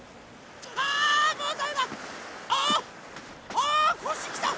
あこしきた！